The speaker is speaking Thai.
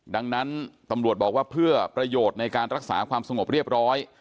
ดังนั้นตำรวจบอกว่าเพื่อประโยชน์ในการรักษาความสงบเรียบร้อย